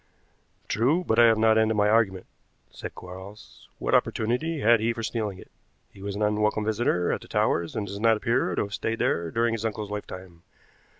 "True, but I have not ended my argument," said Quarles. "What opportunity had he for stealing it? He was an unwelcome visitor at the Towers, and does not appear to have stayed there during his uncle's lifetime.